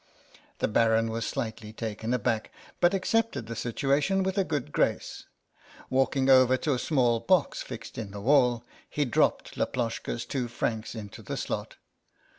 The Baron was slightly 74 THE SOUL OF LAPLOSHKA taken aback, but accepted the situation with a good grace. Walking over to a small box fixed in the wall, he dropped Laploshka's two francs into the slot.